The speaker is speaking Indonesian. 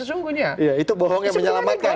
sesungguhnya itu bohong yang menyelamatkan